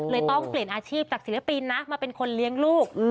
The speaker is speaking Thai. ต้องเปลี่ยนอาชีพจากศิลปินนะมาเป็นคนเลี้ยงลูก